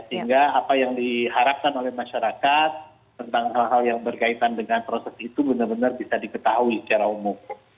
sehingga apa yang diharapkan oleh masyarakat tentang hal hal yang berkaitan dengan proses itu benar benar bisa diketahui secara umum